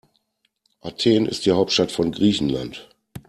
Athen ist die Hauptstadt von Griechenland.